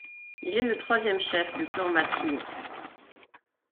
Il est le troisième chef du clan Matsue.